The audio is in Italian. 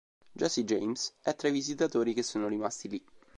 Jesse James è tra i visitatori che sono rimasti lì.